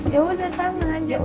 ya udah sama aja